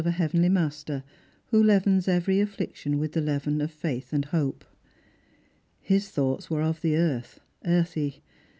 a heavenly Master, who leavens every affliction with the leaven of faith and hope. His thoughts were of the earth, earthy.